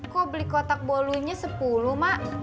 kok beli kotak bolunya sepuluh mak